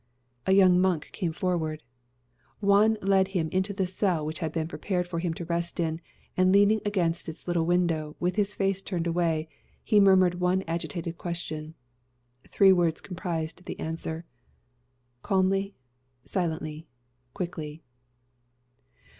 A young monk came forward. Juan led him into the cell which had been prepared for him to rest in, and leaning against its little window, with his face turned away, he murmured one agitated question. Three words comprised the answer, "_Calmly, silently, quickly.